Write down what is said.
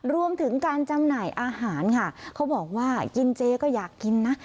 รวมถึงการจำหน่ายอาหารค่ะเขาบอกว่ากินเจก็อยากกินนะ